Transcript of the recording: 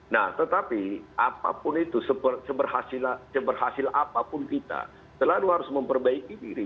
nah tetapi apapun itu seberhasil apapun kita selalu harus memperbaiki diri